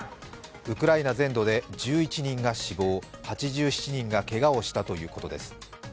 ウクライナ全土で１１人が死亡８７人がけがをしたということです。